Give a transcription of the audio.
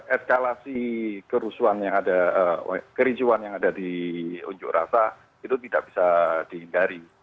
eskalasi kerusuhan yang ada kericuan yang ada di unjuk rasa itu tidak bisa dihindari